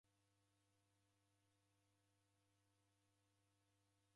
Vua yanyee enona.